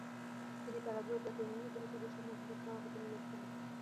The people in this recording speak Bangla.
তিনি প্যারাগুয়ের জাতীয় মহিলা পরিষদের সম্মানসূচক সভাপতি নির্বাচিত হন।